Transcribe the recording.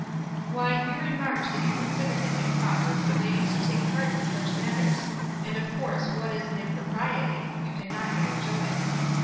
"Why you remarked that you considered it improper for ladies to take part in such matters: and of course what is an impropriety you can not have enjoyed."